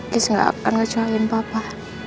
jus gak akan ngecalin papa